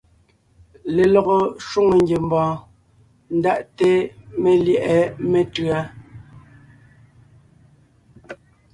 Lelɔgɔ shwòŋo ngiembɔɔn ndaʼte melyɛ̌ʼɛ metʉ̌a.